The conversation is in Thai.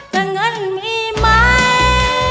แต่เงินมีไหม